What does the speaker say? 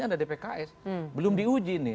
ada di pks belum diuji nih